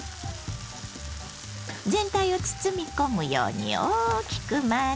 全体を包み込むように大きく混ぜます。